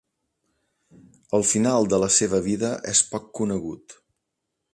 El final de la seva vida és poc conegut.